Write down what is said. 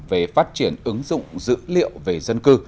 về phát triển ứng dụng dữ liệu về dân cư